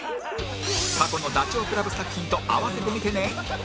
過去のダチョウ倶楽部作品と併せて見てね